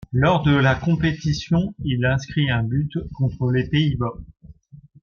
Lors de la compétition, il inscrit un but contre les Pays-Bas.